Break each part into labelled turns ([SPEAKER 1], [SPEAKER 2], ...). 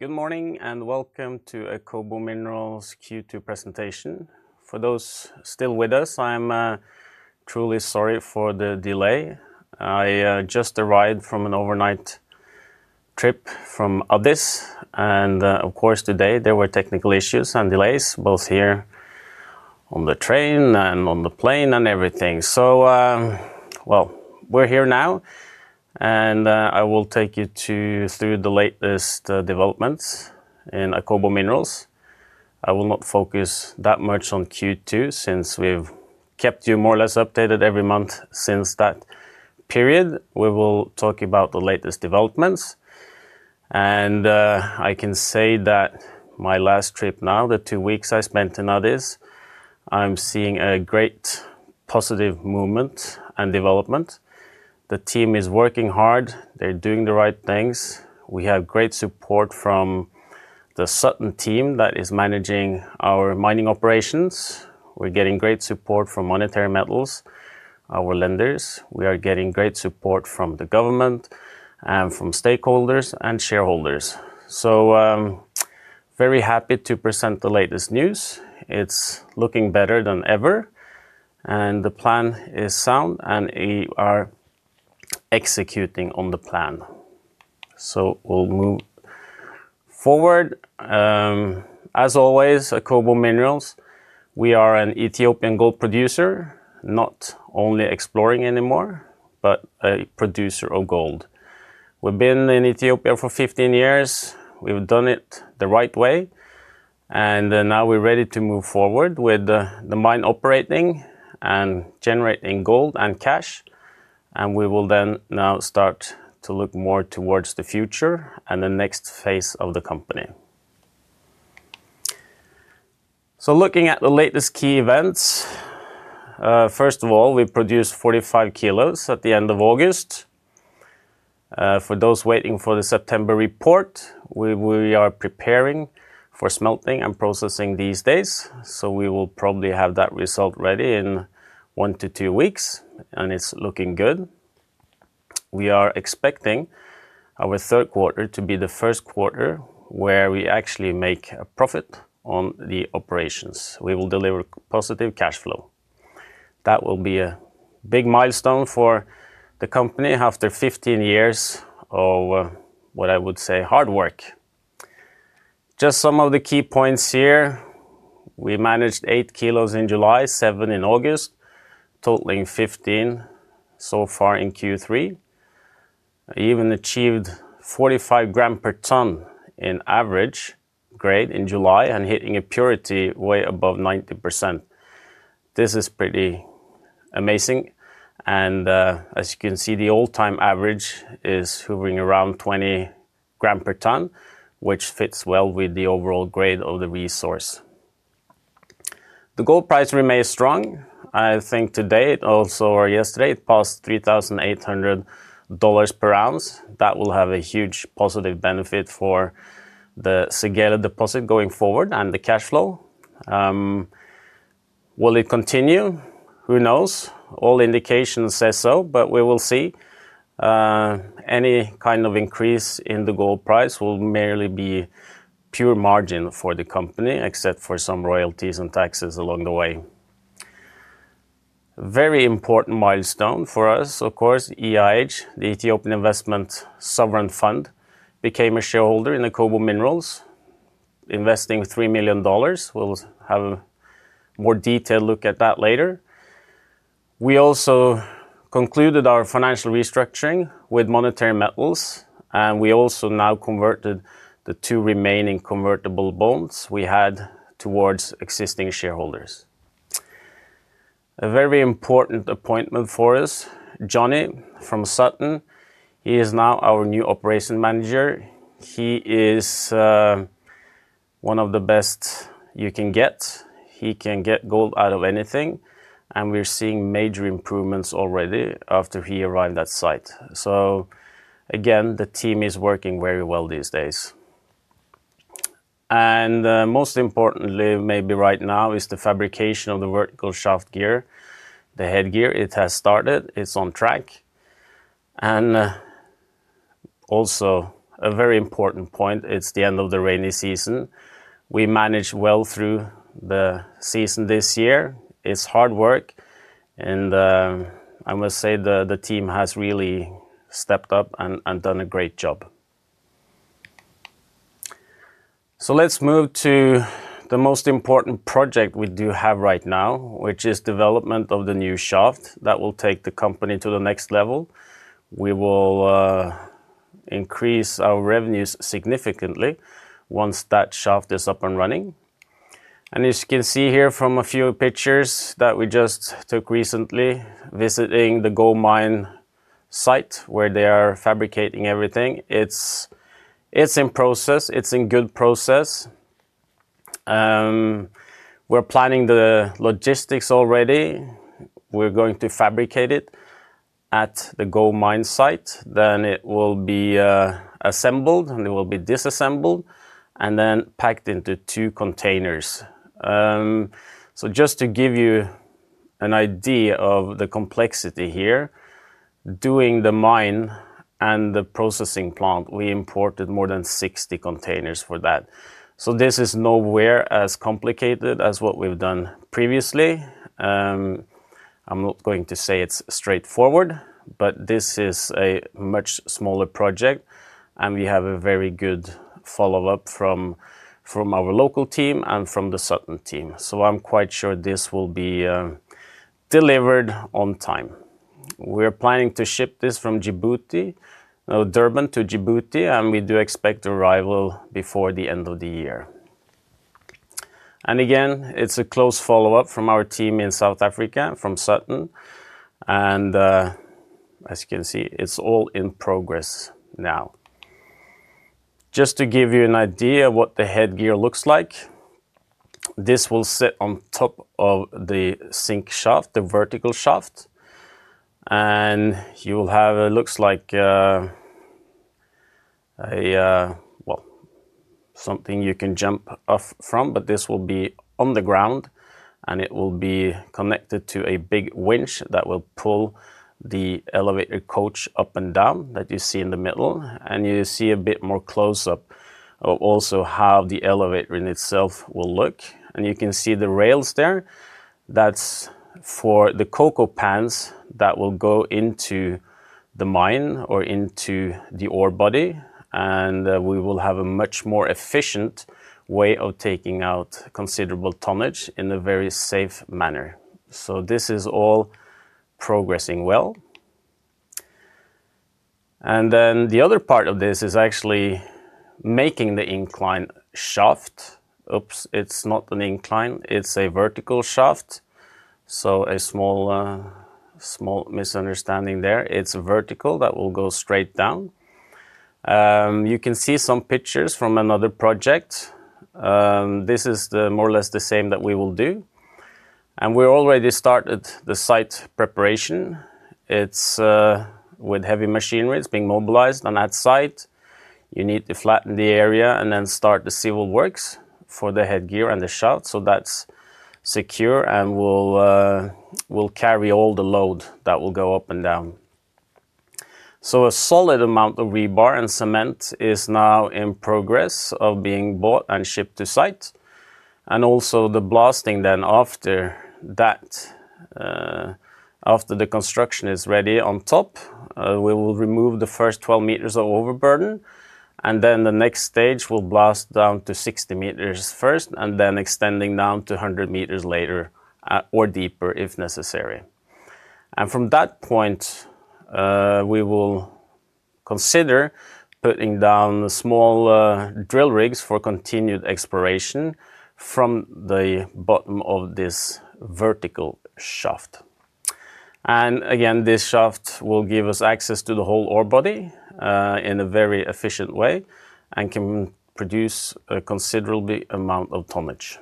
[SPEAKER 1] Good morning and welcome to Akobo Minerals' Q2 Presentation. For those still with us, I'm truly sorry for the delay. I just arrived from an overnight trip from Addis. Of course, today there were technical issues and delays, both here on the train and on the plane and everything. We're here now, and I will take you through the latest developments in Akobo Minerals. I will not focus that much on Q2 since we've kept you more or less updated every month since that period. We will talk about the latest developments. I can say that my last trip now, the two weeks I spent in Addis, I'm seeing a great positive movement and development. The team is working hard. They're doing the right things. We have great support from the Sutton team that is managing our mining operations. We're getting great support from Monetary Metals, our lenders. We are getting great support from the government and from stakeholders and shareholders. I'm very happy to present the latest news. It's looking better than ever, and the plan is sound, and we are executing on the plan. We'll move forward. As always, Akobo Minerals, we are an Ethiopian gold producer, not only exploring anymore, but a producer of gold. We've been in Ethiopia for 15 years. We've done it the right way, and now we're ready to move forward with the mine operating and generating gold and cash. We will then now start to look more towards the future and the next phase of the company. Looking at the latest key events, first of all, we produced 45 kg at the end of August. For those waiting for the September report, we are preparing for smelting and processing these days. We will probably have that result ready in one to two weeks, and it's looking good. We are expecting our third quarter to be the first quarter where we actually make a profit on the operations. We will deliver positive cash flow. That will be a big milestone for the company after 15 years of what I would say hard work. Just some of the key points here. We managed 8 kg in July, 7 kg in August, totaling 15 kg so far in Q3. We even achieved 45 g per ton in average grade in July and hitting a purity way above 90%. This is pretty amazing. As you can see, the all-time average is hovering around 20 g per ton, which fits well with the overall grade of the resource. The gold price remains strong. I think today it also, or yesterday, it passed $3,800 per ounce. That will have a huge positive benefit for the Segele deposit going forward and the cash flow. Will it continue? Who knows? All indications say so, but we will see. Any kind of increase in the gold price will merely be pure margin for the company, except for some royalties and taxes along the way. Very important milestone for us, of course, EIH, the Ethiopian investment sovereign fund, became a shareholder in Akobo Minerals, investing $3 million. We'll have a more detailed look at that later. We also concluded our financial restructuring with Monetary Metals, and we also now converted the two remaining convertible bonds we had towards existing shareholders. A very important appointment for us, Johnny from Sutton. He is now our new Operations Manager. He is one of the best you can get. He can get gold out of anything, and we're seeing major improvements already after he arrived at site. The team is working very well these days. Most importantly, maybe right now, is the fabrication of the vertical shaft gear, the head gear. It has started. It's on track. Also a very important point, it's the end of the rainy season. We managed well through the season this year. It's hard work, and I must say the team has really stepped up and done a great job. Let's move to the most important project we do have right now, which is the development of the new shaft that will take the company to the next level. We will increase our revenues significantly once that shaft is up and running. As you can see here from a few pictures that we just took recently, visiting the gold mine site where they are fabricating everything. It's in process. It's in good process. We're planning the logistics already. We're going to fabricate it at the gold mine site. Then it will be assembled, and it will be disassembled and then packed into two containers. Just to give you an idea of the complexity here, doing the mine and the processing plant, we imported more than 60 containers for that. This is nowhere as complicated as what we've done previously. I'm not going to say it's straightforward, but this is a much smaller project, and we have a very good follow-up from our local team and from the Sutton team. I'm quite sure this will be delivered on time. We're planning to ship this from Durban to Djibouti, and we do expect arrival before the end of the year. It's a close follow-up from our team in South Africa from Sutton, and as you can see, it's all in progress now. Just to give you an idea of what the head gear looks like, this will sit on top of the sink shaft, the vertical shaft, and you'll have a, looks like a, well, something you can jump off from. This will be on the ground, and it will be connected to a big winch that will pull the elevator coach up and down that you see in the middle. You see a bit more close up. I'll also have the elevator in itself will look, and you can see the rails there. That's for the cocoa pans that will go into the mine or into the ore body. We will have a much more efficient way of taking out considerable tonnage in a very safe manner. This is all progressing well. The other part of this is actually making the incline shaft. Oops, it's not an incline. It's a vertical shaft. A small misunderstanding there. It's vertical that will go straight down. You can see some pictures from another project. This is more or less the same that we will do. We already started the site preparation. It's with heavy machinery that's being mobilized on that site. You need to flatten the area and then start the civil works for the head gear and the shaft, so that's secure and will carry all the load that will go up and down. A solid amount of rebar and cement is now in progress of being bought and shipped to site. Also the blasting then after that, after the construction is ready on top, we will remove the first 12 m of overburden, and the next stage will blast down to 60 m first and then extending down to 100 m later or deeper if necessary. From that point, we will consider putting down the small drill rigs for continued exploration from the bottom of this vertical shaft. This shaft will give us access to the whole ore body in a very efficient way and can produce a considerable amount of tonnage.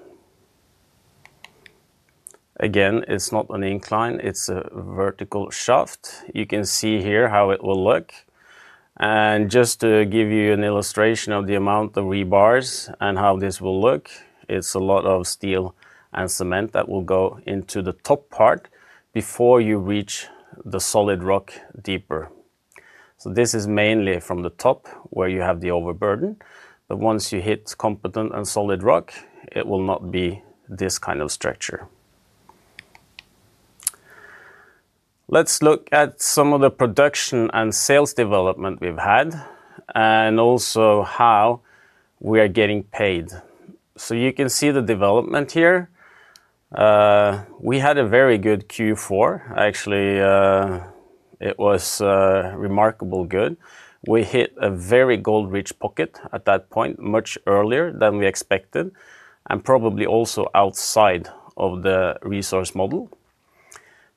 [SPEAKER 1] Again, it's not an incline. It's a vertical shaft. You can see here how it will look. Just to give you an illustration of the amount of rebars and how this will look, it's a lot of steel and cement that will go into the top part before you reach the solid rock deeper. This is mainly from the top where you have the overburden. Once you hit competent and solid rock, it will not be this kind of structure. Let's look at some of the production and sales development we've had and also how we are getting paid. You can see the development here. We had a very good Q4. Actually, it was remarkably good. We hit a very gold-rich pocket at that point, much earlier than we expected and probably also outside of the resource model.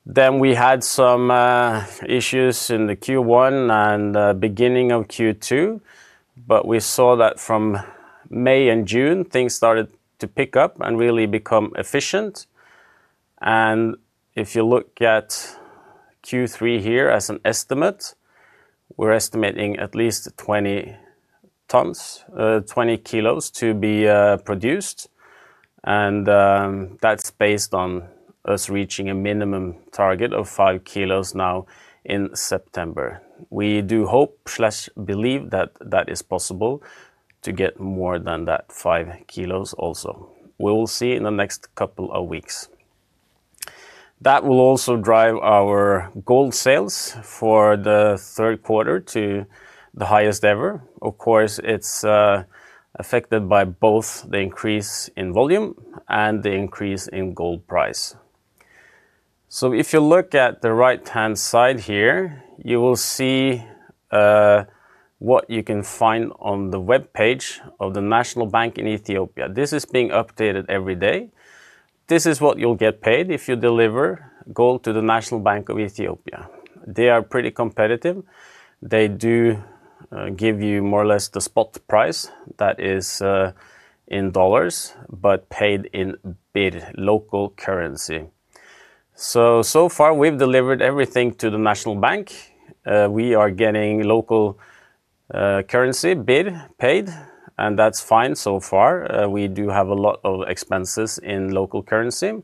[SPEAKER 1] We had some issues in Q1 and the beginning of Q2. We saw that from May and June, things started to pick up and really become efficient. If you look at Q3 here as an estimate, we're estimating at least 20 kg to be produced. That's based on us reaching a minimum target of 5 kg now in September. We do hope/believe that it is possible to get more than that 5 kg also. We will see in the next couple of weeks. That will also drive our gold sales for the third quarter to the highest ever. Of course, it's affected by both the increase in volume and the increase in gold price. If you look at the right-hand side here, you will see what you can find on the web page of the National Bank of Ethiopia. This is being updated every day. This is what you'll get paid if you deliver gold to the National Bank of Ethiopia. They are pretty competitive. They do give you more or less the spot price that is in dollars, but paid in birr, local currency. So far, we've delivered everything to the National Bank. We are getting local currency, birr, paid, and that's fine so far. We do have a lot of expenses in local currency.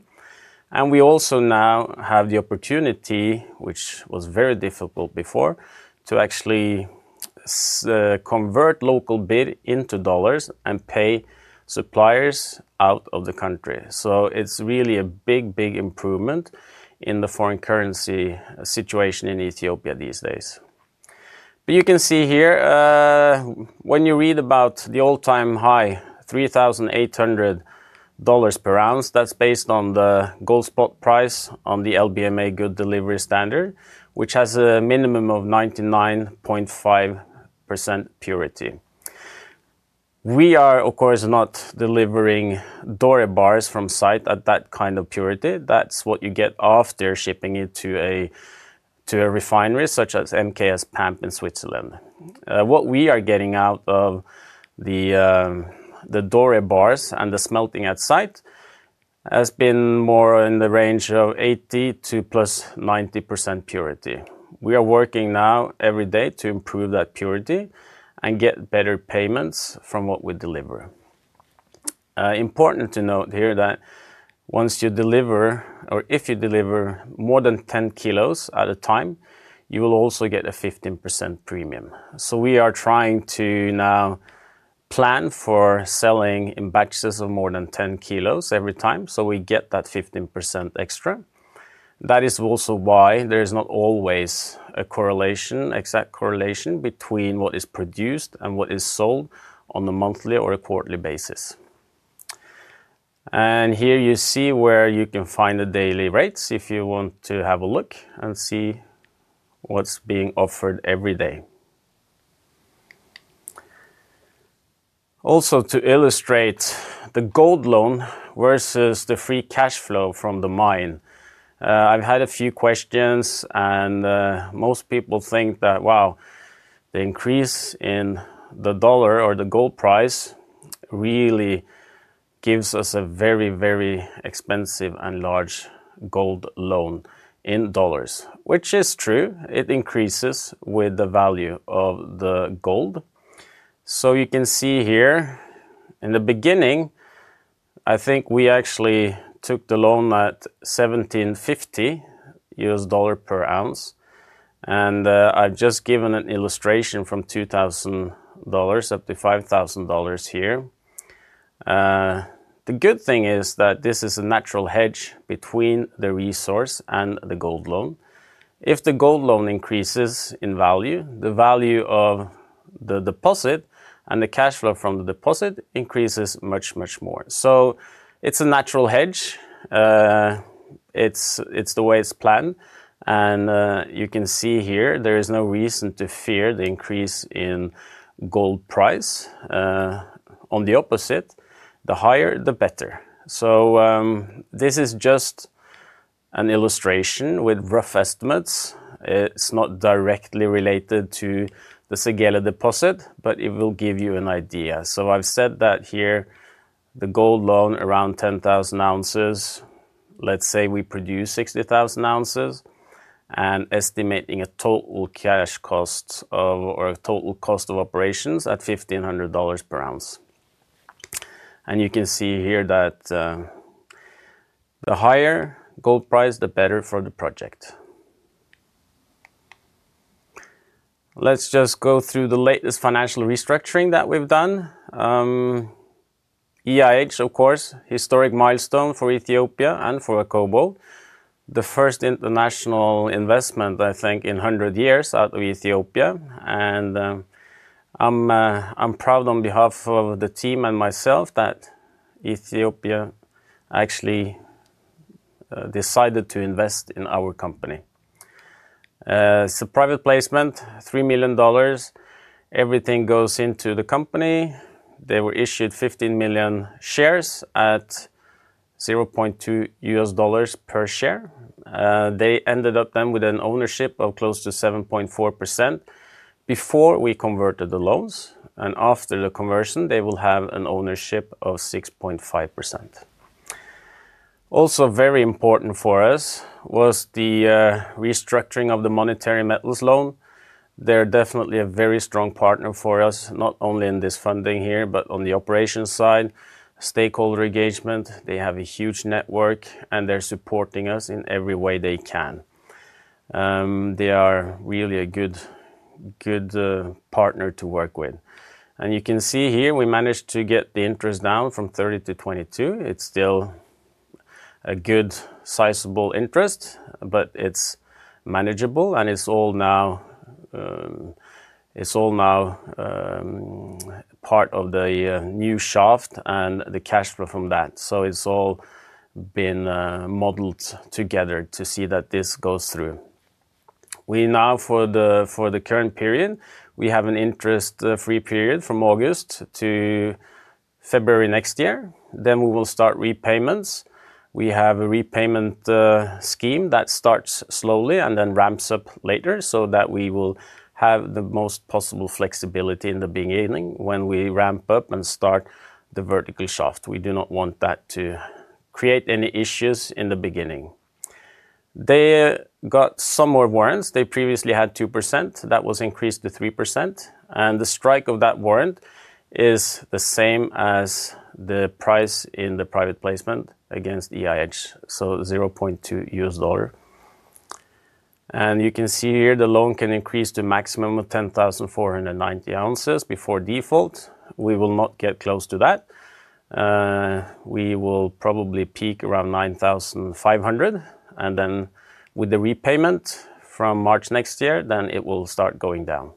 [SPEAKER 1] We also now have the opportunity, which was very difficult before, to actually convert local birr into dollars and pay suppliers out of the country. It's really a big, big improvement in the foreign currency situation in Ethiopia these days. You can see here, when you read about the all-time high, $3,800 per ounce, that's based on the gold spot price on the LBMA good delivery standard, which has a minimum of 99.5% purity. We are, of course, not delivering doré bars from site at that kind of purity. That's what you get off. They're shipping it to a refinery such as MKS PAMP in Switzerland. What we are getting out of the doré bars and the smelting at site has been more in the range of 80% to +90% purity. We are working now every day to improve that purity and get better payments from what we deliver. Important to note here that once you deliver, or if you deliver more than 10 kg at a time, you will also get a 15% premium. We are trying to now plan for selling in batches of more than 10 kg every time so we get that 15% extra. That is also why there is not always a correlation, exact correlation between what is produced and what is sold on a monthly or a quarterly basis. Here you see where you can find the daily rates if you want to have a look and see what's being offered every day. Also, to illustrate the gold loan versus the free cash flow from the mine, I've had a few questions, and most people think that, wow, the increase in the dollar or the gold price really gives us a very, very expensive and large gold loan in dollars, which is true. It increases with the value of the gold. You can see here in the beginning, I think we actually took the loan at $1,750 per ounce. I've just given an illustration from $2,000 up to $5,000 here. The good thing is that this is a natural hedge between the resource and the gold loan. If the gold loan increases in value, the value of the deposit and the cash flow from the deposit increases much, much more. It's a natural hedge. It's the way it's planned. You can see here there is no reason to fear the increase in gold price. On the opposite, the higher, the better. This is just an illustration with rough estimates. It's not directly related to the Segele deposit, but it will give you an idea. I've said that here, the gold loan around 10,000 ounces. Let's say we produce 60,000 ounces and estimating a total cash cost or a total cost of operations at $1,500 per ounce. You can see here that the higher gold price, the better for the project. Let's just go through the latest financial restructuring that we've done. EIH, of course, historic milestone for Ethiopia and for Akobo. The first international investment, I think, in 100 years out of Ethiopia. I'm proud on behalf of the team and myself that Ethiopia actually decided to invest in our company. It's a private placement, $3 million. Everything goes into the company. They were issued 15 million shares at $0.20 per share. They ended up then with an ownership of close to 7.4% before we converted the loans. After the conversion, they will have an ownership of 6.5%. Also, very important for us was the restructuring of the Monetary Metals loan. They're definitely a very strong partner for us, not only in this funding here, but on the operations side, stakeholder engagement. They have a huge network, and they're supporting us in every way they can. They are really a good partner to work with. You can see here we managed to get the interest down from 30% to 22%. It's still a good sizable interest, but it's manageable, and it's all now part of the new shaft and the cash flow from that. It's all been modeled together to see that this goes through. For the current period, we have an interest-free period from August to February next year. We will start repayments. We have a repayment scheme that starts slowly and then ramps up later so that we will have the most possible flexibility in the beginning when we ramp up and start the vertical shaft. We do not want that to create any issues in the beginning. They got some more warrants. They previously had 2%. That was increased to 3%. The strike of that warrant is the same as the price in the private placement against EIH, so $0.20. You can see here the loan can increase to a maximum of 10,490 ounces before default. We will not get close to that. We will probably peak around 9,500 ounces. With the repayment from March next year, it will start going down.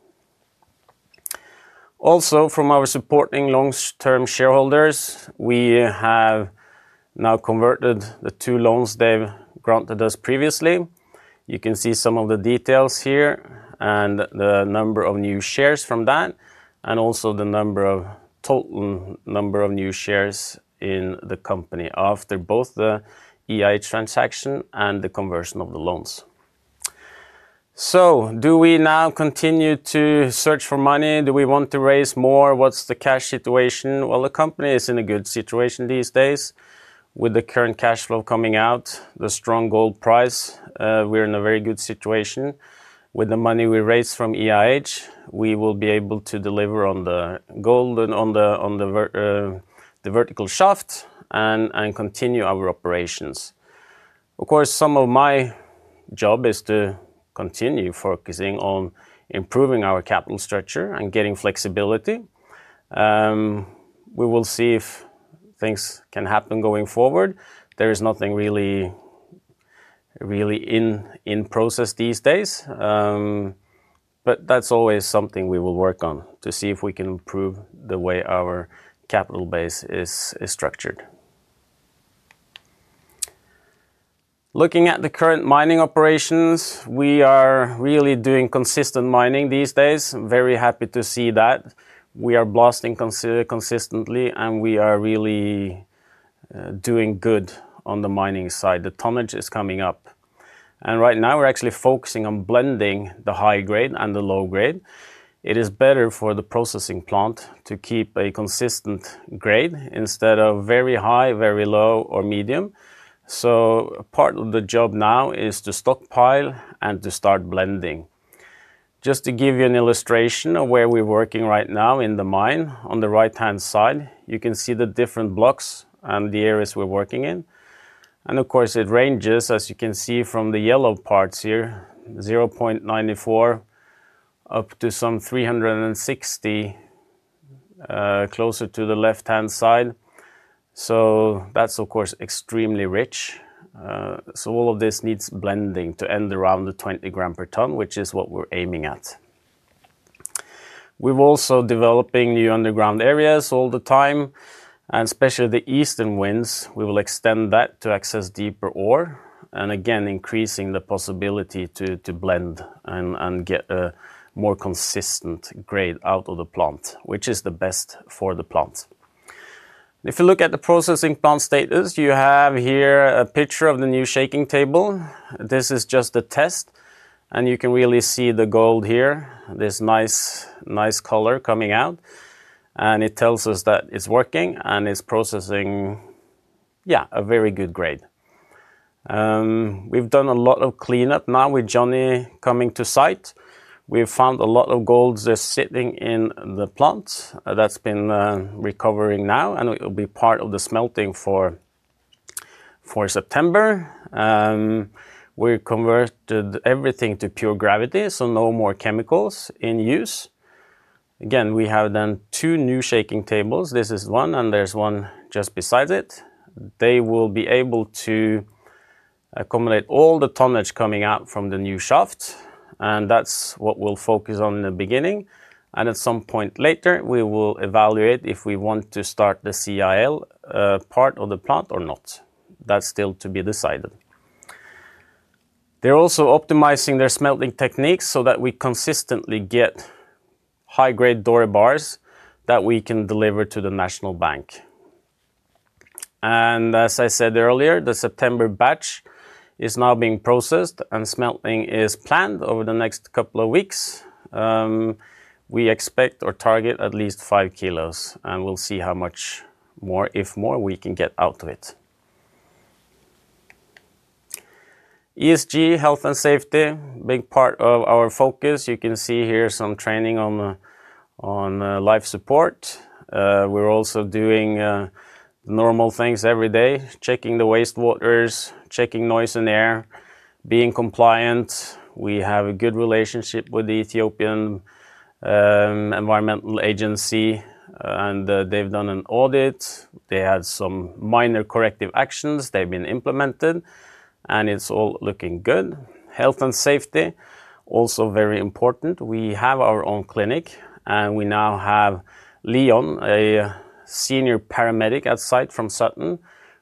[SPEAKER 1] Also, from our supporting long-term shareholders, we have now converted the two loans they've granted us previously. You can see some of the details here and the number of new shares from that and also the total number of new shares in the company after both the EIH transaction and the conversion of the loans. Do we now continue to search for money? Do we want to raise more? What's the cash situation? The company is in a good situation these days with the current cash flow coming out, the strong gold price. We're in a very good situation. With the money we raised from EIH, we will be able to deliver on the gold and on the vertical shaft and continue our operations. Of course, some of my job is to continue focusing on improving our capital structure and getting flexibility. We will see if things can happen going forward. There is nothing really in process these days, but that's always something we will work on to see if we can improve the way our capital base is structured. Looking at the current mining operations, we are really doing consistent mining these days. I'm very happy to see that. We are blasting consistently, and we are really doing good on the mining side. The tonnage is coming up. Right now, we're actually focusing on blending the high grade and the low grade. It is better for the processing plant to keep a consistent grade instead of very high, very low, or medium. Part of the job now is to stockpile and to start blending. Just to give you an illustration of where we're working right now in the mine, on the right-hand side, you can see the different blocks and the areas we're working in. It ranges, as you can see from the yellow parts here, 0.94 g pr ton up to some 360 g per ton, closer to the left-hand side. That's extremely rich. All of this needs blending to end around the 20 g per ton, which is what we're aiming at. We're also developing new underground areas all the time, especially the eastern winds. We will extend that to access deeper ore, increasing the possibility to blend and get a more consistent grade out of the plant, which is the best for the plant. If you look at the processing plant status, you have here a picture of the new shaking table. This is just a test, and you can really see the gold here, this nice, nice color coming out. It tells us that it's working and it's processing a very good grade. We've done a lot of cleanup now with Johnny coming to site. We've found a lot of gold that's sitting in the plants. That's been recovering now, and it will be part of the smelting for September. We've converted everything to pure gravity, so no more chemicals in use. We have two new shaking tables. This is one, and there's one just beside it. They will be able to accommodate all the tonnage coming out from the new shaft, and that's what we'll focus on in the beginning. At some point later, we will evaluate if we want to start the CIL part of the plant or not. That's still to be decided. They're also optimizing their smelting techniques so that we consistently get high-grade doré bars that we can deliver to the National Bank. As I said earlier, the September batch is now being processed, and smelting is planned over the next couple of weeks. We expect or target at least 5 kg, and we'll see how much more, if more, we can get out of it. ESG, health and safety, are a big part of our focus. You can see here some training on life support. We're also doing normal things every day, checking the wastewaters, checking noise and air, being compliant. We have a good relationship with the Ethiopian environmental agency, and they've done an audit. They had some minor corrective actions. They've been implemented, and it's all looking good. Health and safety, also very important. We have our own clinic, and we now have Leon, a Senior Paramedic at site from Sutton,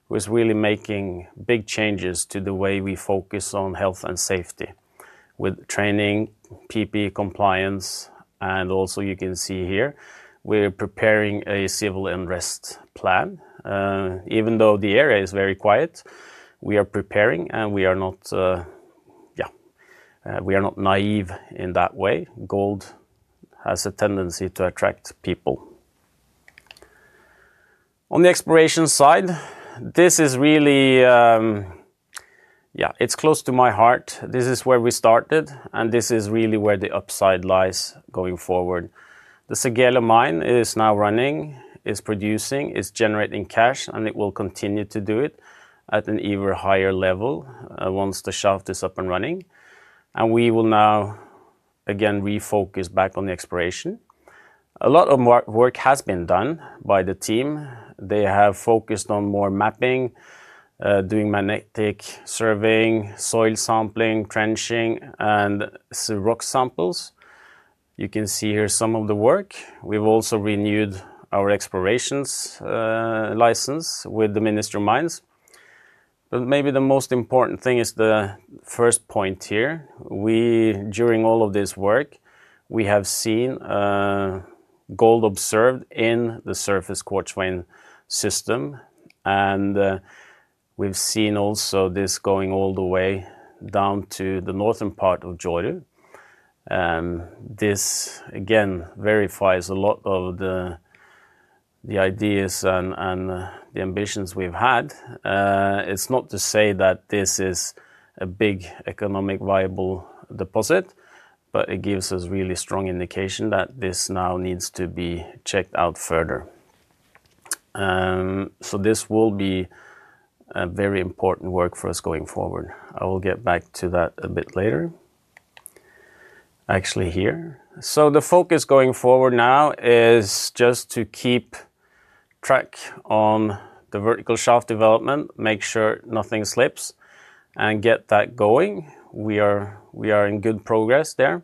[SPEAKER 1] who is really making big changes to the way we focus on health and safety with training, PPE compliance. Also, you can see here, we're preparing a civil unrest plan. Even though the area is very quiet, we are preparing, and we are not, yeah, we are not naive in that way. Gold has a tendency to attract people. On the exploration side, this is really, yeah, it's close to my heart. This is where we started, and this is really where the upside lies going forward. The Segele mine is now running, is producing, is generating cash, and it will continue to do it at an ever higher level once the shaft is up and running. We will now, again, refocus back on the exploration. A lot of work has been done by the team. They have focused on more mapping, doing magnetic surveying, soil sampling, trenching, and rock samples. You can see here some of the work. We've also renewed our exploration license with the Ministry of Mines. Maybe the most important thing is the first point here. During all of this work, we have seen gold observed in the surface quartz vein system, and we've seen also this going all the way down to the northern part of Joru. This, again, verifies a lot of the ideas and the ambitions we've had. It's not to say that this is a big economic viable deposit, but it gives us really strong indication that this now needs to be checked out further. This will be a very important work for us going forward. I will get back to that a bit later. Actually, here. The focus going forward now is just to keep track on the vertical shaft development, make sure nothing slips, and get that going. We are in good progress there.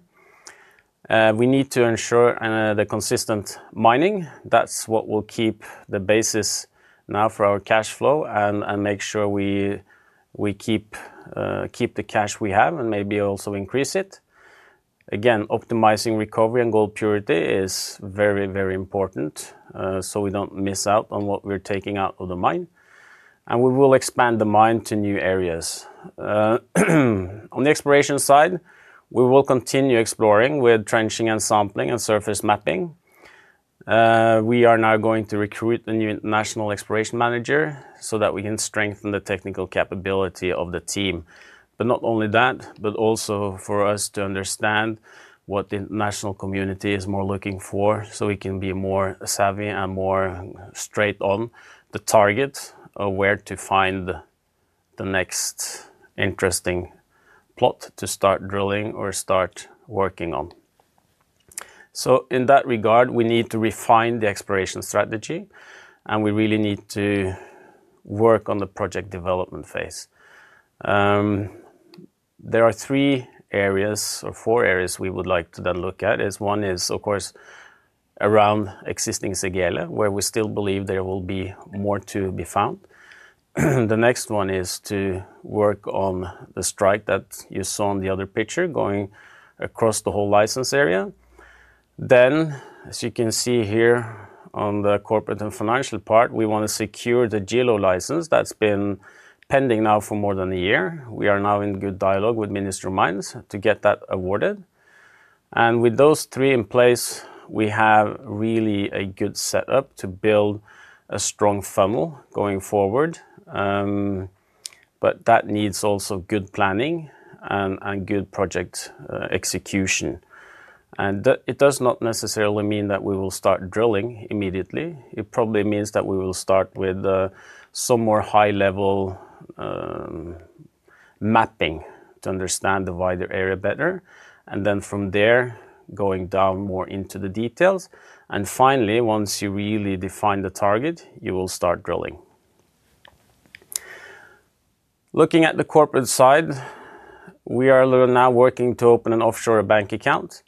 [SPEAKER 1] We need to ensure the consistent mining. That's what will keep the basis now for our cash flow and make sure we keep the cash we have and maybe also increase it. Again, optimizing recovery and gold purity is very, very important so we don't miss out on what we're taking out of the mine. We will expand the mine to new areas. On the exploration side, we will continue exploring with trenching and sampling and surface mapping. We are now going to recruit a new national exploration manager so that we can strengthen the technical capability of the team. Not only that, but also for us to understand what the national community is more looking for so we can be more savvy and more straight on the target of where to find the next interesting plot to start drilling or start working on. In that regard, we need to refine the exploration strategy, and we really need to work on the project development phase. There are three areas or four areas we would like to then look at. One is, of course, around existing Segele where we still believe there will be more to be found. The next one is to work on the strike that you saw in the other picture going across the whole license area. As you can see here on the corporate and financial part, we want to secure the Joru license that's been pending now for more than a year. We are now in good dialogue with the Ministry of Mines to get that awarded. With those three in place, we have really a good setup to build a strong funnel going forward. That needs also good planning and good project execution. It does not necessarily mean that we will start drilling immediately. It probably means that we will start with some more high-level mapping to understand the wider area better, and then from there, going down more into the details. Finally, once you really define the target, you will start drilling. Looking at the corporate side, we are now working to open an offshore bank account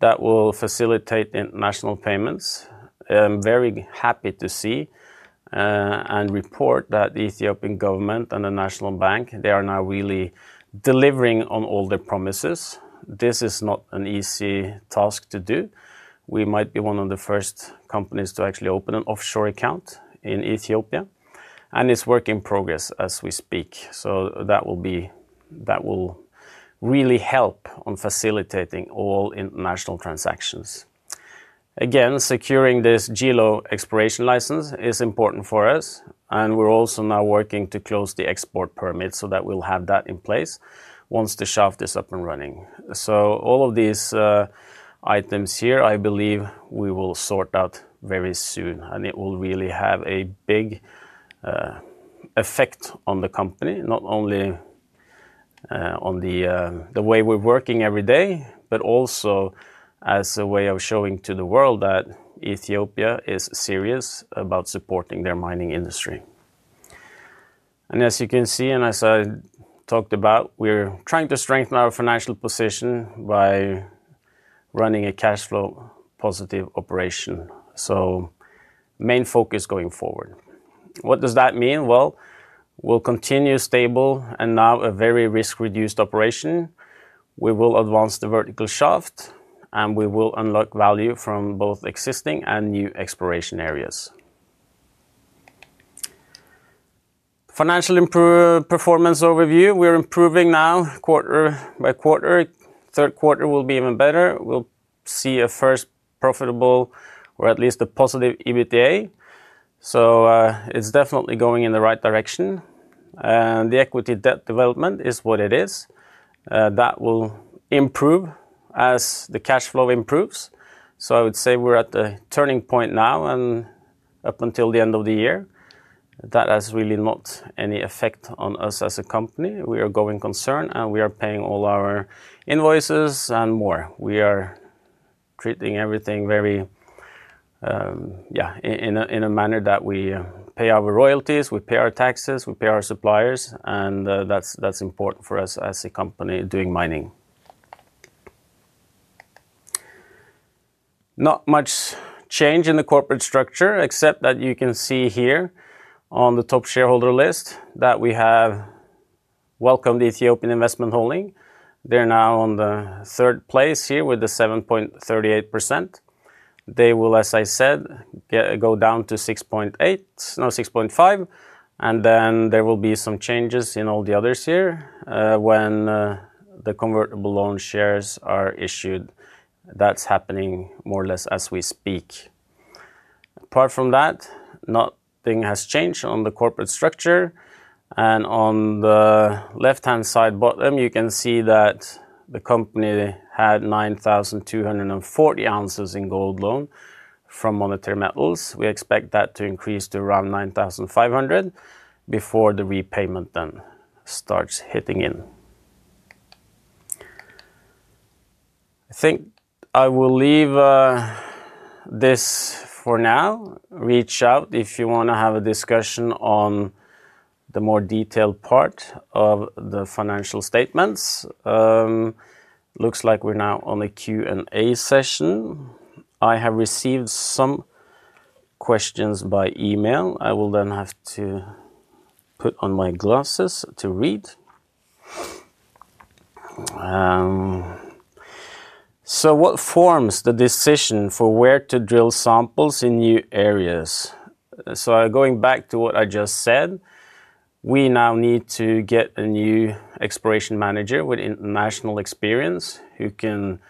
[SPEAKER 1] that will facilitate international payments. I'm very happy to see and report that the Ethiopian government and the National Bank, they are now really delivering on all their promises. This is not an easy task to do. We might be one of the first companies to actually open an offshore account in Ethiopia, and it's a work in progress as we speak. That will really help in facilitating all international transactions. Again, securing this Joru exploration license is important for us, and we're also now working to close the export permit so that we'll have that in place once the shaft is up and running. All of these items here, I believe we will sort out very soon, and it will really have a big effect on the company, not only on the way we're working every day, but also as a way of showing to the world that Ethiopia is serious about supporting their mining industry. As you can see, and as I talked about, we're trying to strengthen our financial position by running a cash flow positive operation. Main focus going forward. What does that mean? We will continue stable and now a very risk-reduced operation. We will advance the vertical shaft, and we will unlock value from both existing and new exploration areas. Financial performance overview, we're improving now quarter by quarter. Third quarter will be even better. We'll see a first profitable or at least a positive EBITDA. It's definitely going in the right direction. The equity debt development is what it is. That will improve as the cash flow improves. I would say we're at the turning point now and up until the end of the year. That has really not any effect on us as a company. We are going concerned, and we are paying all our invoices and more. We are treating everything very, yeah, in a manner that we pay our royalties, we pay our taxes, we pay our suppliers, and that's important for us as a company doing mining. Not much change in the corporate structure, except that you can see here on the top shareholder list that we have welcomed Ethiopian Investment Holdings. They're now on the third place here with 7.38%. They will, as I said, go down to 6.8%, no, 6.5%. There will be some changes in all the others here when the convertible loan shares are issued. That's happening more or less as we speak. Apart from that, nothing has changed on the corporate structure. On the left-hand side bottom, you can see that the company had 9,240 ounces in gold loan from Monetary Metals. We expect that to increase to around 9,500 ounces before the repayment then starts hitting in. I think I will leave this for now. Reach out if you want to have a discussion on the more detailed part of the financial statements. Looks like we're now on the Q&A session. I have received some questions by email. I will then have to put on my glasses to read. What forms the decision for where to drill samples in new areas? Going back to what I just said, we now need to get a new exploration manager with international experience who can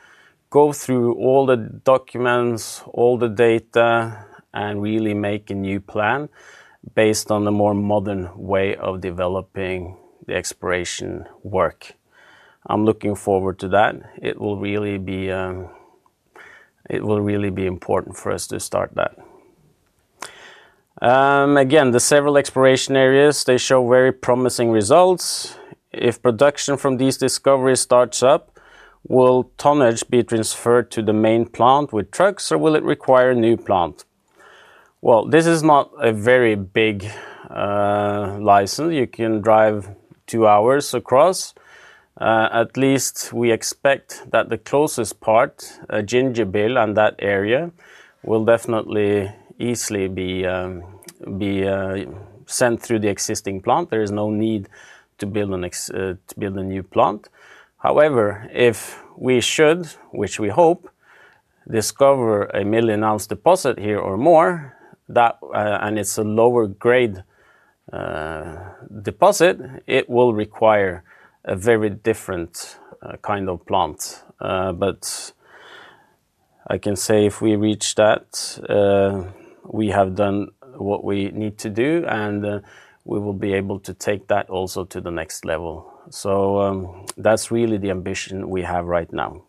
[SPEAKER 1] go through all the documents, all the data, and really make a new plan based on the more modern way of developing the exploration work. I'm looking forward to that. It will really be important for us to start that. Again, the several exploration areas, they show very promising results. If production from these discoveries starts up, will tonnage be transferred to the main plant with trucks, or will it require a new plant? This is not a very big license. You can drive two hours across. At least we expect that the closest part, Gingibil and that area, will definitely easily be sent through the existing plant. There is no need to build a new plant. However, if we should, which we hope, discover a million-ounce deposit here or more, and it's a lower grade deposit, it will require a very different kind of plant. I can say if we reach that, we have done what we need to do, and we will be able to take that also to the next level. That's really the ambition we have right now.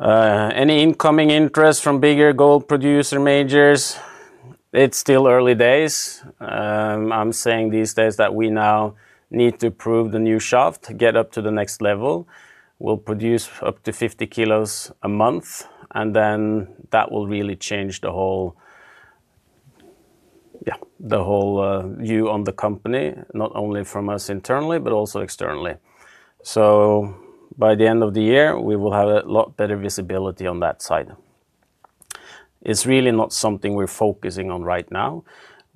[SPEAKER 1] Any incoming interest from bigger gold producer majors? It's still early days. I'm saying these days that we now need to prove the new shaft, get up to the next level. We'll produce up to 50 kg a month, and that will really change the whole, yeah, the whole view on the company, not only from us internally, but also externally. By the end of the year, we will have a lot better visibility on that side. It's really not something we're focusing on right now.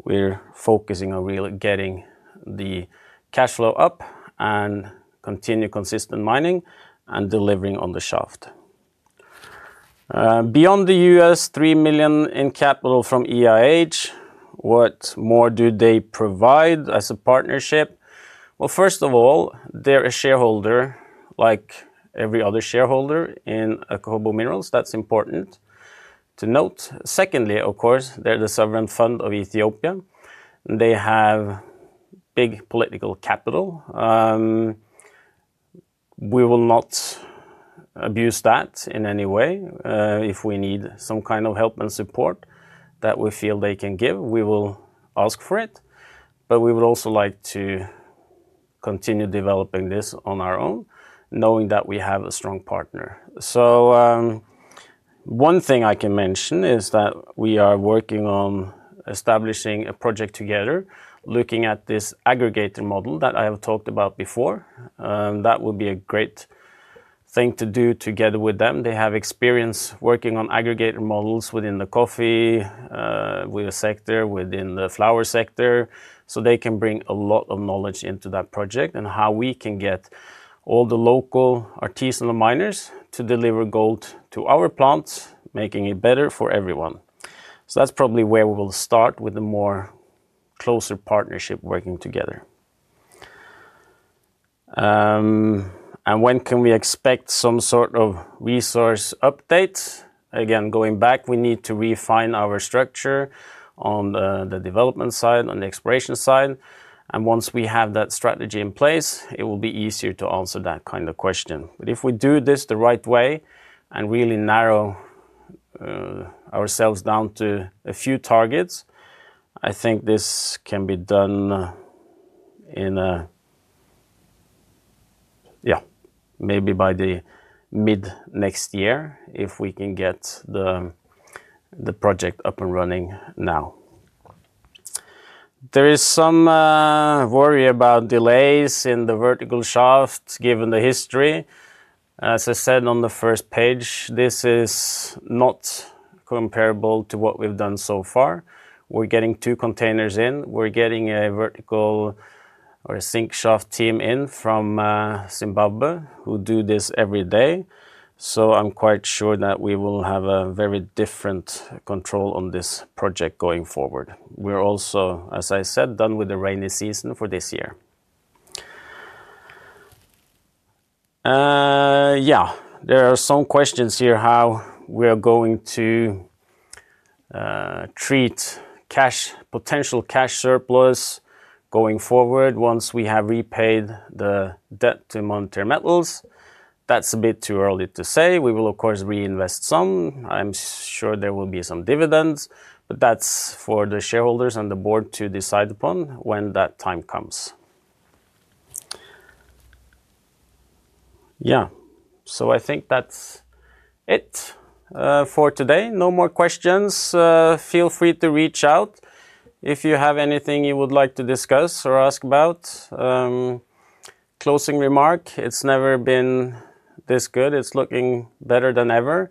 [SPEAKER 1] We're focusing on really getting the cash flow up and continue consistent mining and delivering on the shaft. Beyond the $3 million in capital from EIH, what more do they provide as a partnership? First of all, they're a shareholder like every other shareholder in Akobo Minerals. That's important to note. Secondly, of course, they're the sovereign fund of Ethiopia. They have big political capital. We will not abuse that in any way. If we need some kind of help and support that we feel they can give, we will ask for it. We would also like to continue developing this on our own, knowing that we have a strong partner. One thing I can mention is that we are working on establishing a project together, looking at this aggregator model that I have talked about before. That will be a great thing to do together with them. They have experience working on aggregator models within the coffee sector, within the flower sector. They can bring a lot of knowledge into that project and how we can get all the local artisanal miners to deliver gold to our plants, making it better for everyone. That's probably where we will start with a more closer partnership working together. When can we expect some sort of resource updates? Again, going back, we need to refine our structure on the development side, on the exploration side. Once we have that strategy in place, it will be easier to answer that kind of question. If we do this the right way and really narrow ourselves down to a few targets, I think this can be done, maybe by mid-next year if we can get the project up and running now. There is some worry about delays in the vertical shaft given the history. As I said on the first page, this is not comparable to what we've done so far. We're getting two containers in. We're getting a vertical or a sink shaft team in from Zimbabwe who do this every day. I'm quite sure that we will have a very different control on this project going forward. We're also, as I said, done with the rainy season for this year. There are some questions here about how we are going to treat potential cash surplus going forward once we have repaid the debt to Monetary Metals. That's a bit too early to say. We will, of course, reinvest some. I'm sure there will be some dividends, but that's for the shareholders and the board to decide upon when that time comes. I think that's it for today. No more questions. Feel free to reach out if you have anything you would like to discuss or ask about. Closing remark, it's never been this good. It's looking better than ever.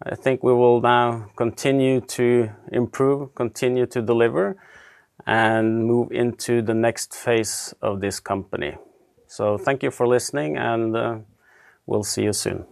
[SPEAKER 1] I think we will now continue to improve, continue to deliver, and move into the next phase of this company. Thank you for listening, and we'll see you soon.